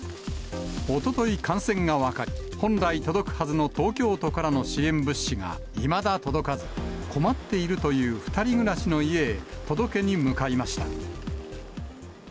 おととい感染が分かり、本来、届くはずの東京都からの支援物資がいまだ届かず、困っているという２人暮らしの家へ、届けに向かいました。